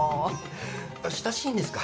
親しいんですか？